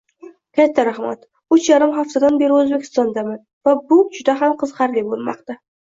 Katta rahmat. Uch yarim haftadan beri Oʻzbekistondaman va bu juda ham qiziqarli boʻlmoqda.